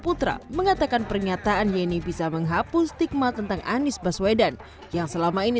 putra mengatakan pernyataan yeni bisa menghapus stigma tentang anies baswedan yang selama ini